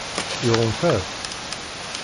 Iɣunfa-t?